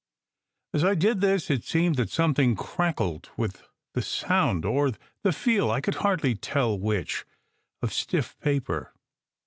As I did this it seemed that something crackled with the sound or the feel, I could hardly tell which of stiff paper.